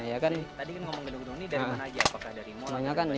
tadi kan ngomong gedung gedung ini dari mana aja apakah dari mall atau dari tempat lain